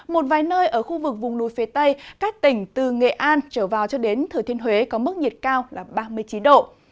một vài nơi ở khu vực vùng núi phía tây các tỉnh từ nghệ an trở vào cho đến thừa thiên huế có mức nhiệt cao là ba mươi chín độ